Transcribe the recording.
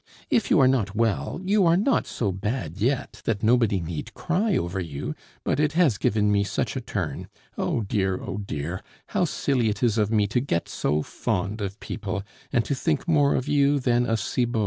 "If you are not well, you are not so bad yet that nobody need cry over you; but it has given me such a turn! Oh dear! oh dear! how silly it is of me to get so fond of people, and to think more of you than of Cibot!